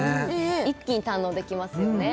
一気に堪能できますよね